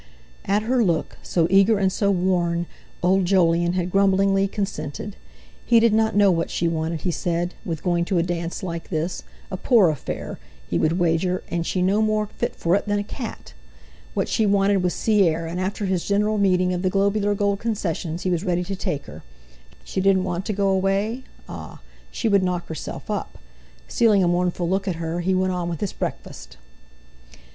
At her look, so eager and so worn, old Jolyon had grumblingly consented. He did not know what she wanted, he said, with going to a dance like this, a poor affair, he would wager; and she no more fit for it than a cat! What she wanted was sea air, and after his general meeting of the Globular Gold Concessions he was ready to take her. She didn't want to go away? Ah! she would knock herself up! Stealing a mournful look at her, he went on with his breakfast.